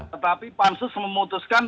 tetapi pansus memutuskan